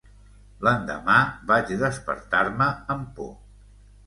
L'endemà vaig despertar-me amb por.